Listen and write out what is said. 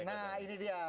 nah ini dia